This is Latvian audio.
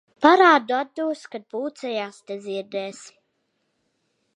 Parādu atdos, kad pūcei aste ziedēs.